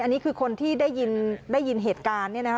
อันนี้คือคนที่ได้ยินเหตุการณ์เนี่ยนะคะ